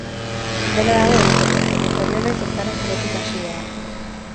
Dena dago egiteko, baina zorionez ez gara zerotik hasi behar.